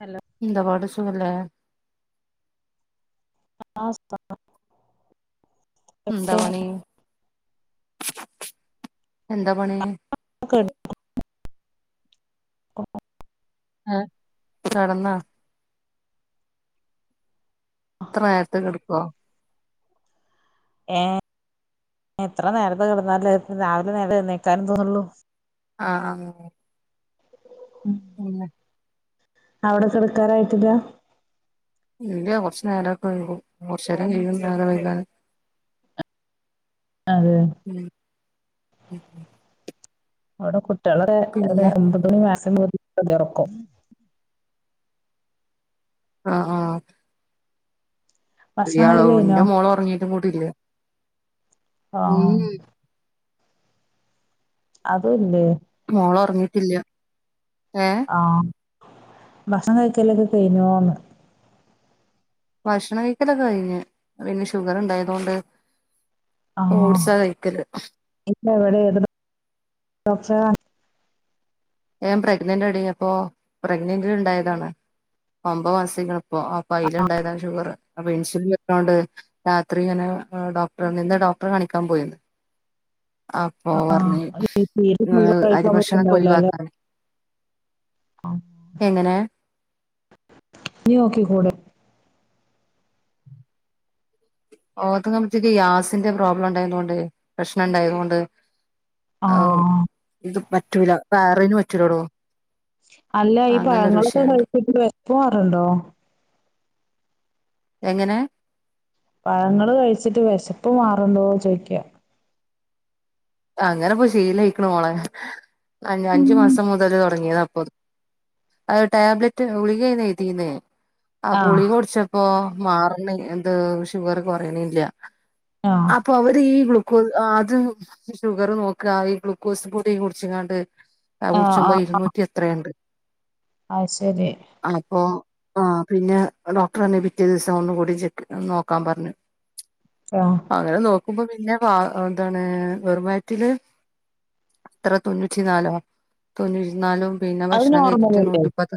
Hello എന്തപാട് സുഖല്ലേ എന്താ അവസ്ഥാ ന്താ പണീ എന്താ പണീ [unintelligible] [inaudible] ആഹ് കെടന്നാ ഇത്ര നേരത്തെ കിടക്കോ ഏഹ് എത്ര നേരത്തെ കെടന്നാലും രാവിലെ നേരത്തെ എണീക്കാനും തോന്നുള്ളൂ ആഹ് ആഹ് ഉം പിന്നെ അവിടെ കെടക്കാറായിട്ടില്ല ഇല്ല കുറച്ച് നേരൊക്കെ വൈകും കുറച്ചേരം കൈയ്യും നേരവൈകാന് അതെ മ് മ്മ് അവ്ടെ കുട്ടികളൊക്കെ പിന്നെ ഒമ്പത്മണി മാസം [unintelligible] ഒറക്കും ആഹ് ആഹ് ഭക്ഷണം ഒരികാന കഴിക്കല് കഴിഞ്ഞോ എന്റെ മോളൊറങ്ങീട്ടുംകൂടില്ല ആഹ് മ്മ് അതും ല്ലെ മോളൊറങ്ങീട്ടില്ല ഏഹ് ആഹ് ഭക്ഷണം കഴിക്കലൊക്കെ കഴിഞ്ഞോന്ന് ഭക്ഷണം കഴിക്കലൊക്കെ കഴിഞ്ഞ് പിന്നെ ഷുഗറുണ്ടായതോണ്ട് ആഹ് ഇന്നെവിടെയായിരുന്നു ഡോക്ടറെ കാണി ഞൻ പ്രഗ്നെന്റെടി അപ്പൊ പ്രഗ്നന്റിലുണ്ടായതാണ് ഒമ്പമാസായിക്കണ് പ്പോ അപ്പോ അയില്ണ്ടായതാണ് ഷുഗറ് അപ്പൊ ഇൻസുലിനുള്ളോണ്ട് രാത്രി ഇങ്ങനെ ഡോക്ടറിന്ന് ഡോക്ടറെ കാണിക്കാ പോയത് ആ അപ്പോപറഞ്ഞ് മ് കഴിക്കാൻ അരിഭക്ഷണൊക്കെ പറ്റുണ്ടാവില്ല ഒഴിവാ അല്ലെ എങ്ങനെ? നീ നോക്കി കൂടെ? ഓർത്തങ്ങ്പത്തേക്ക് ഗ്യാസിന്റെ പ്രോബ്ലം ണ്ടായതോണ്ടേ പ്രശ്നം ണ്ടായതോണ്ട് ഔ ആഹ് ഇത് പറ്റൂല വേറെന് പറ്റൂലോടോ അല്ല ഈ പഴങ്ങളൊക്കെ വിഷയണ്ട് കഴിച്ചിട്ട് വെശ്പ്പ് മാറ്ണ്ടോ? എങ്ങനെ? പഴങ്ങള് കഴിച്ചിട്ട് വെശ്പ്പ് മാറ്ണ്ടോ ചോയിക്ക അങ്ങനെപ്പൊ ശീലയിക്ക്ണ മോളെ അ ഉം അഞ്ചു മാസം മുതല് തൊടങ്ങിയതാപ്പൊ അത് ടാബ്ലെറ്റ് ഉളികേണ് എഴ്തീന്നെ അ ആഹ് ഗുളികുടിച്ചപ്പോ മാറ്ണില്ലെന്ത് ഷുഗർ കൊറയ്ണില്ല ആഹ് അപ്പൊ അവര് ഈ ഗ്ലുക്കോസ് ആഹ് അത് ഷുഗര് നോക്കാ ഈ ഗ്ലൂക്കോസ് പൊടിം കുടിച്ച്ങ്ങാണ്ട് ആയ് ആഹ് കുടിച്ചുമ്പോ ആഹ് ഇരുന്നൂറ്റി എത്രേണ്ട് അത് ശരി അപ്പൊ ആ പിന്നെ ഡോക്ടർന്നെ പിറ്റേ ദീസം ഒന്നുംകൂടിചെക്കീത് നോക്കാ പറഞ്ഞ് [inaudible] ആഹ് അങ്ങനെ നോക്കുമ്പോ പിന്നെ വാ എന്താണ് വെറുംവയറ്റില് ത്ര തൊണ്ണൂറ്റി നാലോ തൊണ്ണൂറ്റി നാലും പിന്നെ അത് ഭക്ഷണം കയ്ച്ച്ട്ട് നോർമലല്ലേ നൂറ്റിപ്പത്.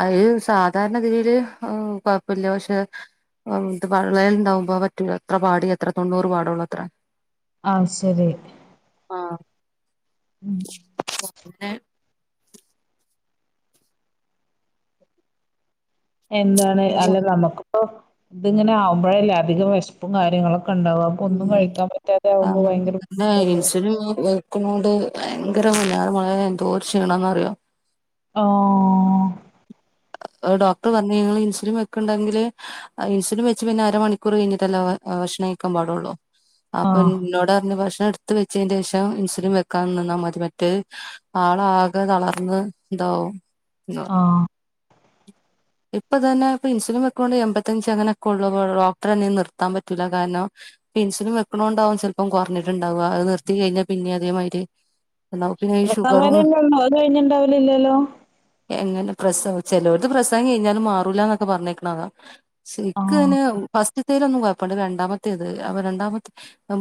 അയാ സാധാരണ തിയില് കൊഴപ്പല്ല പഷേ ത് പള്ളേല്ണ്ടാവുമ്പോ പറ്റൂലത്രേ പാടിയത്രേ തൊണ്ണൂറ് പാടുള്ളൂത്രേ അഹ് ശരി ആഹ് ഉം അങ്ങനെ എന്താണ് അല്ല നമുക്ക്പ്പോ തിങ്ങനെ ആവുമ്പോഴല്ലേ അധികം വെശ്പ്പും കാര്യങ്ങളൊക്കെണ്ടാവാ. ഉം ആഹ് ഏഹ് ബുദ്ധിമുട്ടല്ലേ ഇൻസുലിൻ വേ കൊണ്ട് ഭയങ്കര പൊന്നാര മളേ എന്തോര് ക്ഷീണന്നറിയോ ഓഹ് ഡോക്ടർ പറഞ്ഞു ഇങ്ങള് ഇൻസുലിൻ വെക്കെണ്ടെങ്കില് ആ ഇൻസുലിൻ വെച്ച് പിന്നെ അര മണിക്കൂർ കയ്ഞ്ഞ്ട്ടല്ലേ ഭക്ഷണം കഴക്കാൻ പാടൊള്ളൂ അപ്പൊ ആഹ് ന്നോട്റഞ്ഞു ഭക്ഷണട്ത്ത് വെച്ചേന്റേഷം ഇൻസുലിൻ വെക്കാനിന്നാൽ മതി മറ്റേത് ആളാകെ തളർന്ന്താവും ന്ന്‌ പറഞ്ഞു ആഹ് ഇപ്പൊ തന്നെ ഇപ്പിൻസുലിൻ വെക്ക്ണോണ്ട് എമ്പത്തഞ്ച് അങ്ങനെക്കെള്ളു ഡോക്ടറഞ്ഞു നിർത്താൻ പറ്റൂല്ല കാരണം ഇൻസുലിൻ വെക്ക്ണോണ്ടാവും ചെലപ്പം കൊറഞ്ഞിട്ട്ണ്ടാവാ അത് നിർത്തി കയിഞ്ഞാ പിന്നെ അതേമായിര് പ്രസവം വരെലൊള്ളൂ അത് കഴിഞ്ഞാണ്ടാവില്ലല്ലോ? എങ്ങനെ പ്രസവ ചെലോര്ക്ക് പ്രസവം കഴിഞ്ഞാലും മാറൂലാന്നൊക്കെ പറഞ്ഞേക്ക്ണതാ ആഹ് ഇക്കയിന് ഫസ്റ്റ് തേലൊന്നും കൊഴപ്പണ്ട് രണ്ടാമത്തേത് അ രണ്ടാമത്തെ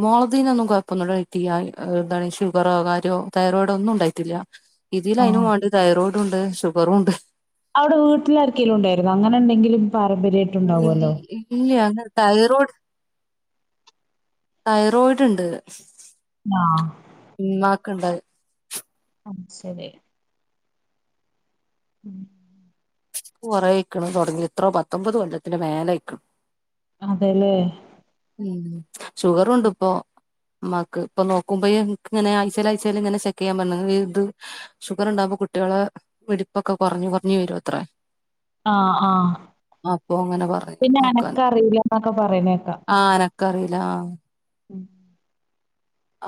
മോളെദീനൊന്നും കൊഴപ്പൊന്നുണ്ടായിട്ടില്ല എന്താണ് ഷുഗറോ കാര്യോ തൈറോയിഡോ ഒന്നുണ്ടായിട്ടില്ല. ആഹ് ഇതിലയിനും വാണ്ടി തൈറോയിഡുണ്ട് ഷുഗറുണ്ട് അവ്ടെ വീട്ടിലാർക്കേലു ണ്ടായിരുന്നോ അങ്ങനെന്തെങ്കിലും പാരമ്പര്യ [inaudible] ഇല്ല അങ്ങനെ തൈറോയ്ഡ് തൈറോയിഡ്ണ്ട് ആഹ് മ്മാക്ക്ണ്ടത് ആഹ് ശരി ഉം ക്ക് കുറേയ്ക്ക്ണ് തൊടങ്ങീട്ട് ത്രപത്തൊമ്പത് കൊല്ലത്തിന്റെ മേലായ്ക്ക്ണ്. അതെല്ലേ ഉം ഷുഗറുണ്ട്പ്പൊ ഇമ്മാക്ക് ഇപ്പൊ നോക്കുമ്പോ ഇങ്ങനെ ആഴ്ചയിൽ ആഴ്ചയിൽ ഇങ്ങനെ ചെക്ക് ചെയ്യാൻ പറഞ്ഞിണ് ഇത് ഷുഗർ ഉണ്ടാവകുമ്പോ കുട്ടികളെ വെടിപ്പൊക്കെ കുറഞ്ഞു കുറഞ്ഞു വരു അത്രേ ആഹ് ആഹ് അപ്പൊ അങ്ങനെ പറഞ്ഞു പിന്നെ അനക്കം അറിയില്ലന്നൊക്കെ പറയുന്നേക്കാ ആഹ് അനക്കം അറിയില്ല ഉം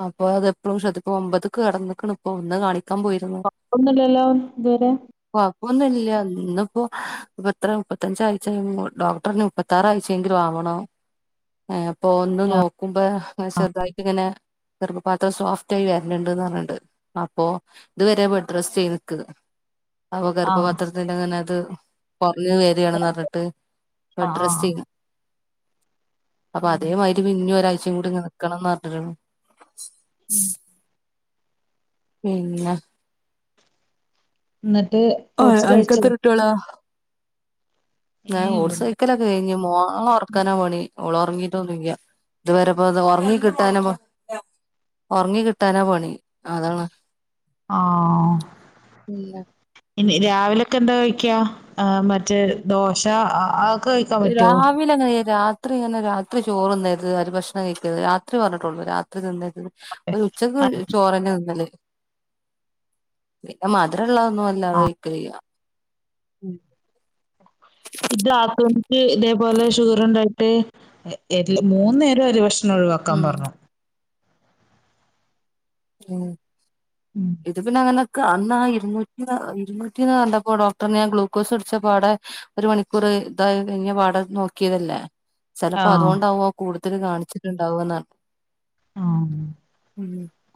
അപ്പൊ അത് എപ്പോളും ശ്രദ്ധിക്കണം ഒമ്പത് ക്ക് കടന്നാക്കണ് ഇപ്പൊ ഇന്ന് കാണിക്കാൻ പോയി കുഴപ്പൊന്നുല്ലല്ലോ ഇതുവരെ കൊപ്പൊന്നും ഇല്ല ഇന്ന് ഇപ്പോ എത്ര മുപ്പത്തഞ്ചാഴ്ച കഴിഞ് ഡോക്ടറിന് മുപ്പത്തി മുപത്താറാഴ്ചെങ്കിൽ ആവണം അപ്പൊ ഇന്ന് ഞാ നോക്കുമ്പോ ചെറുതായിട്ട് ഇങ്ങനെ ഗർഭപാത്രം സോഫ്റ്റായി വരന്ന്ണ്ട് പറഞ്ഞിണ്ട് അപ്പൊ ഇതുവരെ ബെഡ് റസ്റ്റ് ഏയ്ത്ക്ക്‌ അപ്പൊ ആഹ് ഗർഭപത്രത്തിന്റെ അങ്ങനെ അത് കുറഞ്ഞ് വ ഇതയണം എന്നുപറഞ്ഞിട്ട് ആഹ് ബെഡ് ആഹ് റെസ്റ്റിംഗാ അപ്പൊ ഉം അതേമാതിരി പിന്നെ ഒരാഴ്ച കൂടി ഇങ്ങനെ നിക്കണംന്ന് പറഞ്ഞ്ക്ക്ണ് ഉം. പിന്നെ ഇന്നട്ട് ഓ അനക്ക് അത്ര കുട്ടിയോളാ ഏ ഏഹ് ഓട്സ് ഇവടെ കഴിക്കൽ ഒക്കെ കഴിഞ്ഞ് മോളെ ഒറക്കാനാ പണി ഓള് ഉറങ്ങിട്ടൊന്നില്യ ഇതുവരെപ്പൊ അത് ഉറങ്ങി കിട്ടാന ഒറങ്ങി കിട്ടാനാ പണി അതാണ് ആഹ് പിന്നെ ഇനി രാവിലെ ക്ക എന്താ കഴിക്ക മറ്റേ ദോശ ആ രാവി ഇല്ലങ്ങനെ രാത്രി ഇങ്ങനെ രാത്രി ചോറ്ന്നരുത് അരി ഭക്ഷണം കഴിക്കരുത് രാത്രി പറഞ്ഞിട്ടുള്ളൂ രാത്രി തിന്നരുത് ഒരു ഉച്ചക്ക് ചോറന്നെ തിന്നല് മധുരമുള്ളൊന്നും വല്ലാതെ ആഹ് കഴിക്കലില്ല ഇത് [unintelligible] ഇതേപോലെ ഷുഗർ ഉണ്ടായിട്ട് മൂന്ന് നേരം അരി ഭക്ഷണ ന്ന് ഒഴിവാക്കാൻ പറഞ്ഞു ഉം ഉം ഇത് പിന്നെ അന്നൊക്കെ അന്നാ ഇരുന്നൂറ്റി ഇരുന്നൂറ്റിന്നാ കണ്ടപ്പോ ഡോക്ടർ ഞാൻ ഗ്ലൂക്കോസ് പിടിച്ചപ്പാടെ ഒരു മണിക്കൂർ ഇതായി കഴിഞ്ഞ് പാടേ നോക്കിയതല്ലേ ചെലപ്പോ ആഹ് അതുകൊണ്ടാവോ കൂടുതൽ കാണിച്ചിട്ടുണ്ടാവ എന്നാണ് ആഹ് ഉം ഉം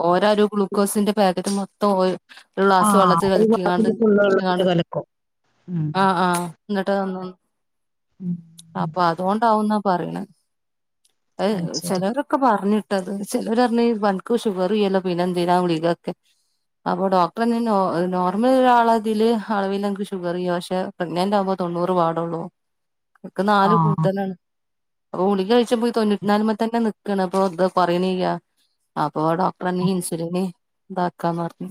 ഓരാരും ഗ്ലൂക്കോസിന്റെ പാക്കറ്റ് മൊത്തം ഓ ഒരു ഗ്ലാസ് ആഹ് വെള്ളത്തിൽ ഒരു കല്ക്കിക്കാണ്ട് ഗ്ലാസ്സില് ഫുള്ള് കുടിച്ചിക്കാണ്ട് വെള്ളത്തില് കലക്കും ഉം ആഹ് ആഹ് ഇന്നട്ട് വന്ന ഉം അപ്പൊ അതോണ്ടാവുന്ന പറിണത് അത് ഏഹ് ശരി ചെലോരൊക്കെ പറഞ്ഞിട്ടത് ചേലോരഞീ പൻക് ഷുഗറില്ലല്ലോ പിന്നെന്തിനാ ഗുളിക ക്കെ അപ്പൊ ഡോക്ടറെന്നെ നോർമരാളതില് അളവില് അനക്ക് ഷുഗറില്ല പക്ഷെ പ്രഗ്നനന്റാകുമ്പോൾ തൊണ്ണൂറ് പാടുള്ളൂ എനിക്ക് നാല് ആഹ് കൂടുതലാണ് അപ്പൊ ഗുളിക കഴിച്ചപ്പോ തൊണ്ണൂറ്റിനാല്മ തന്നെ നിക്കാണ് അപ്പൊ ത് കോറിണില്ല [unintelligible] അപ്പളന്നെ ഇൻസുലിന് ഇതാക്കാന്ന് പറഞ്ഞ്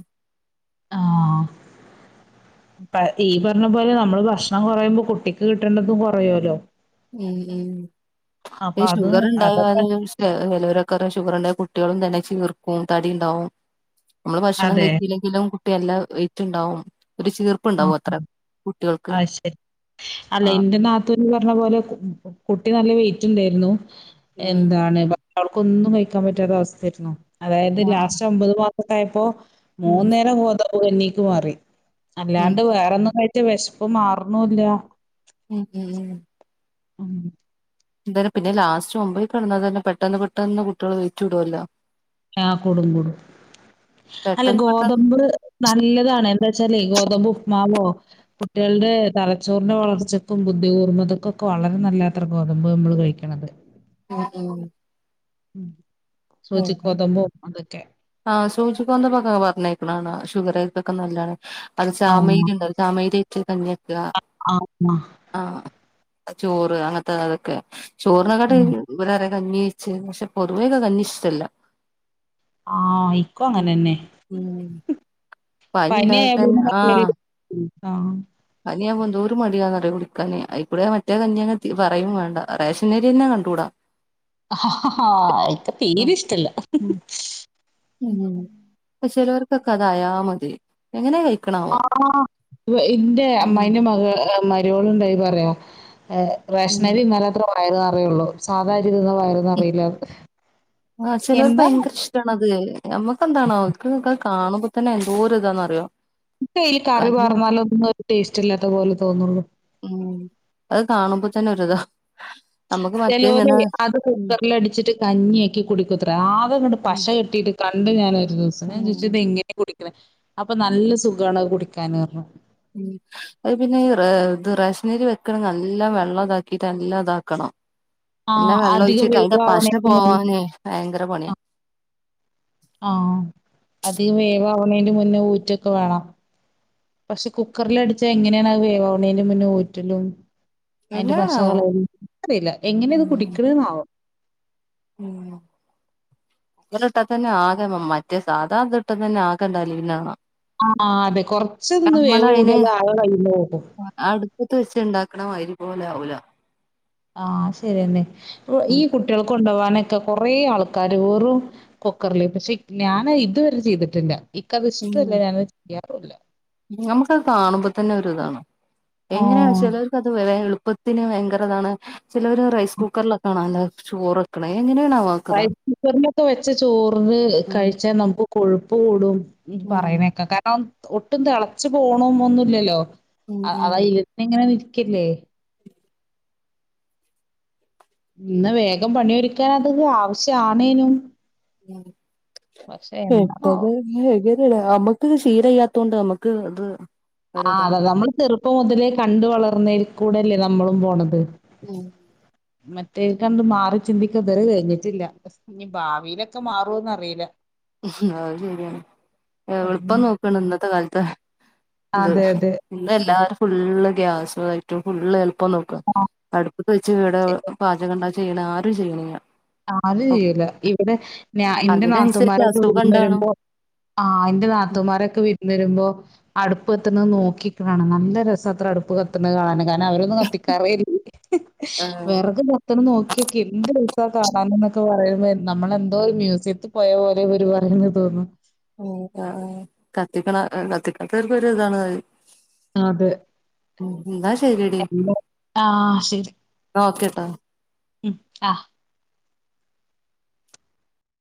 ആഹ് [inaudible] ഈ പറഞ്ഞപോലെ നമ്മള് ഭക്ഷണം കുറയുമ്പോ കുട്ടിക്ക് കിട്ടേണ്ടതും കുറയല്ലോ ഉം ഉം ഈ അപ്പൊ അത് ഷുഗറ്ണ്ടായാലു അതൊക്കെ [unintelligible] ലേ ചിലോരെക്കെ ഷുഗറുണ്ടായ കുട്ടികളും തന്നെ ചീർക്കും തടിണ്ടാവും നമ്മള് ഭക്ഷണം അതെ കഴിച്ചില്ലെങ്കിലും കുട്ടി നല്ല വെയിറ്റ്ണ്ടാവും ഒരു ചീർ ആ അഹ് ശരി അല്ല ആഹ് ഇന്റെ നാതൂ - ത്തൂന് പറഞ്ഞ പോലെ കുട്ടി നല്ല വെയിറ്റ്ണ്ടായിരുന്നു ഉം എന്താണ് അവൾക്കൊന്നും കഴിക്കാൻ പറ്റാത്ത അവസ്ഥായിരുന്നു. അതായത് ആഹ് ലാസ്റ്റ് ഒൻപത് മാസൊക്കെ ആയപ്പോ ഉം മൂന്നേരം ഗോതമ്പ് കഞ്ഞീക്ക് മാറി ഉം അല്ലാണ്ട് വേറൊന്നും ആയിട്ട് വിശപ്പ് മാറുന്നുല്ല ഉം ഉം ഉം ഉം എന്തെ പിന്നെ ലാസ്റ്റ് ഒമ്പേൽക് കടന്നാൽ തന്നെ പെട്ടന്ന് പെട്ടെന്ന് കുട്ട്യേള് വെയ്റ്റുടെല്ലോ ആഹ കൂടും കൂടും അല്ല പെട്ടെന്ന് പെട്ടെന്ന് ഗോതമ്പ് നല്ലതാണ് എന്താച്ചാല് ഗോതമ്പ് ഉപ്മാവോ കുട്ടിയാൾടെ തലച്ചോറിന്റെ വളർച്ചക്കും ബുദ്ധി കൂർമ്മതക്കുംഒക്കെ വളരെ നല്ലാത്രെ ഗോതമ്പ് നമ്മള് കഴിക്കണത് ആഹ് ഉം ഉ സൂചി ഉം ഗോതമ്പും അതൊക്കെ ആഹ് സൂചിഗോതമ്പൊക്കെ പറഞ്ഞേക്കണ കാണാ ഷുഗരേർക്കൊക്കെ നല്ലാണ് അ ആഹ് ചാമയിരിണ്ട് ചാമയിരി ഇട്ട് കഞ്ഞിക്ക ആഹ് ആഹ് ആഹ്‌ ചോറ് അങ്ങനതൊ അതൊക്കെ ഉം. ചോറിനകാട്ടിം ഇേറെ കഞ്ഞി പക്ഷെ പൊതുവേക്കെ കഞ്ഞി ഇഷ്ട്ടല്ല ആഹ ഇക്കു അങ്ങനെ ന്നെ ഉം പനി ഉണ്ടായാൽ ആയാലും തന്നെ [unintelligible] ആഹ് പനിയാമ്പോ എന്തോരു മടിയാന്ന കുടിക്കാാന് അയികൂടെ മറ്റേ കഞ്ഞി അ പറയും വേണ്ട റേഷനരി തന്നെ കണ്ടൂടാ [inaudible] ആഹ് ആഹ്ഹ് ഇക്ക് തീരി ഉം ഇഷ്ടല്ല ഉം ഉം പഷേ ചേലോർക്കൊക്കെ അതായാ മതി എങ്ങനെ കഴി ആ ഇന്റെ ഉം അമ്മായിന്റെ മക മര്യോൾ എന്തേയ്ത് അറിയോ ഏ ഉം റേഷനരി തിന്നാലാത്രേ വയറ് നറയുള്ളു സാധാരി തിന്നാ വയറ് നറീല ആഹ് ചിലോർക് ഭയങ്കര ഇഷ്ട നമ്മുക്കെന്താണാവോ ഇൻക് അത് കാണുമ്പോ തന്നെ എന്തോര് ഇതാന്ന്റിയോ ഇൻക് അയില് കറി പാർന്നാൽ ഒന്നും ടേസ്റ്റ് ഇല്ലാത്ത പോലെ തോന്നുള്ളൂ ഉം അത് കാണുമ്പോ തന്നെ ഒരുത ചലോല് അത് കുക്കർൽ അടിച്ചിട്ട് കഞ്ഞിയാക്കി കുടിക്കത്ര ആകങ്ങട്ട് ഉം പശ കെട്ടിട്ട് കണ്ട് ഞാനൊരുദൂസം ഞാൻ ചോദിച്ചു ഇത് ഉം എങ്ങനെയ കുടിക്കണ അപ്പൊ നല്ല സുഖമാണ്ത് കുടിക്കാൻ പറഞ്ഞു ഉം അത് പിന്നെ ഈ റ ഇത് റശ്മീരി വെക്കണ നല്ല വെള്ളം ഇതാക്കിട്ട് നല്ലാം ഇതാക്കണം. ആ നല്ലാം വെള്ളം അധികം ഒഴിച്ചിട്ട് അയിന്റെ പശ വേവാവണേന് മുന്നേ പോവാനേ ഭയങ്കര പണിയാ. ആഹ്. അധികം വേവാവ്ണേന്റെ മുന്നേ ഊറ്റൊക്കെ വേണം. പക്ഷെ കുക്കറ്ല് അടിച്ചാ എങ്ങനേണ് അത് വേവാവ്ണേന് മുന്നേ ഊറ്റലും അയിന്റെ പശ എല്ലാണാവോ കളയൽ ഇൻകറീല്ല. എങ്ങനെ ഇത് ഉം കുടിക്കണെന്നാവോ. ഉം ഇങ്ങനെ ഇട്ടാ തന്നെ ആക മ മറ്റേ സാധാ ഇത് ഇട്ടാ തന്നെ ആകണ്ടലിണത് കാണാ. ആഹ് അതെ കൊറച്ചൊന്ന് വേവ് കൂടിയാല് ആകെ കയ്ന്ന് പോകും. അടുപ്പത്ത് വെച്ച് ഇണ്ടാക്ണ മായ്രി പോലെ ആവൂലാ. ആഹ് ശരിയെന്നെ. ഈ കുട്ടികൾക്ക് കൊണ്ടോവാനൊക്കെ കുറേ ആൾക്കാര് വെറും കൊക്കർല്. പക്ഷെ ഞാൻ ഇതുവരെ ചെയ്തിട്ടില്ല ഇക്കത് ഉം ഇഷ്ടു അല്ല ഞാനത് ചെയ്യാറുല്ല. നമുക്കത് കാണുമ്പോ തന്നെ ഒരു ഇതാണ്. എങ്ങനെയാണ് ആഹ് ചിലർക്ക് അത് വേ എളു പ്പത്തിന് ഭയങ്കരതാണ്. ചിലവര് റൈസ് കുക്കറിലൊക്ക കാണ ല്ലാ ചോറക്ക്ണ് എങ്ങനേണാവോ റൈസ് കുക്കർലൊക്കെ വെച്ച ചോറ് ഉം കഴിച്ചാൽ നമുക്ക് കൊഴുപ്പ് കൂടും. ഉം പറയ്ണേക്ക ക ണം ഒട്ടും തിളച്ചു പോണും ഒന്നുല്ലല്ലോ. ഉം അ അത് ഉം അയ്ലന്നെ ഇങ്ങനെ നിൽക്കല്ലേ. ഇന്ന വേഗം പണി ഒരുക്കാൻ അത് ആവശ്യ ആണേനും ഉം എന്താണാവോ പെട്ടെന്ന് [unintelligible] നമ്മക്ക് ഇത് ശീലയ്യാത്തൊണ്ട് നമ്മക്ക് ഇത് ആഹ് അതത നമ്മള് ചെറുപ്പം മുതലേ കണ്ട് വളർന്നയിൽ കൂടെല്ലേ നമ്മളും പോണത്. ഉം മറ്റേ കണ്ട് മാറി ചിന്തിക്കാൻ ഇത് വരെ കഴിഞ്ഞിട്ടില്ല. ഇഞ് ഭാവിയിലൊക്കെ മാറൂവോന്നറീല. അത് ശെരിയാണ് എളുപ്പം നോക്ണ് ഇന്നത്തെ കാലത്ത് ഇത് അതെ അതെ ഇന്നെല്ലാരു ഫുള്ള് ഗ്യാസായിട്ടും ഫുള്ള് എൾ പ്പം നോക്കാ. അടുപ്പത്ത് വെച്ച് വടെ പാചകണ്ടാ ചെയ്യണെ ആരും ചെയ്യ്ണില്ല. ആരും ചെയ്യൂല. ഇവിടെ ഞാ ഇന്റെ അതിനനുസരിച്ച് നാത്തുമാരൊക്കെ അസുഖം വിരുന്ന് ഉണ്ടാണു വരുമ്പോ ആഹ് ഇന്റെ നാത്തുൻമാരൊക്കെ വിരുന്ന് വരുമ്പോ അടുപ്പ് കത്തുന്നത് നോക്കിക്ക്ണെ കാണാ. നല്ല രസാത്രേ അടുപ്പ് കത്തുന്നത് കാണാന് കാര ണവരൊന്നും കത്തിക്കാറേല്ല. ആഹ് വെറക് കത്ത്ണ നോക്കിയോക്കി എന്ത് ര ക്കെ കാണാന് ന്നൊക്കെ പറയുമ്പേ നമ്മളെന്തോ ഒരു മ്യൂസിയത്തിൽ പോയ പോലെ ഇവര് പറയുന്നത് തോന്നും. ഉം ആഹ് ആഹ് കത്തിക്കണ കത്തിക്കാത്തോർക്കൊരുതാണത്. അതെ ഉം ഇന്ന ശെരിയെടി ആ ശരി ന്നാ ഓക്കേട്ടോ. ഉം അഹ്.